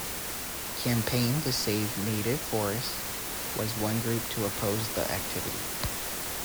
Campaign to Save Native Forests was one group to oppose the activity.